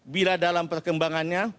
bila dalam perkembangannya